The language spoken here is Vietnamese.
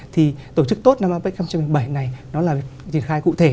thì tổ chức tốt năm apec hai nghìn một mươi bảy này nó là triển khai cụ thể